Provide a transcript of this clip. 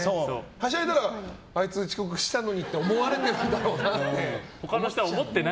はしゃいだらあいつ遅刻したのにって思われるだろうなって。